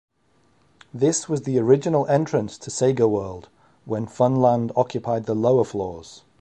This was the original entrance to Segaworld when Funland occupied the lower floors.